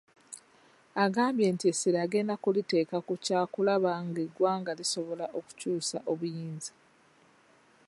Agambye nti essira agenda kuliteeka ku kyakulaba ng'eggwanga lisobola okukyusa obuyinza.